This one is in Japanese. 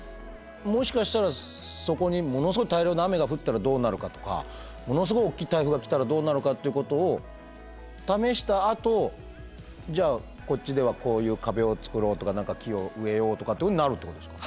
もしかしたらそこにものすごい大量の雨が降ったらどうなるかとかものすごいおっきい台風が来たらどうなるかっていうことを試したあとじゃあこっちではこういう壁を造ろうとか木を植えようとかっていうことになるってことですか？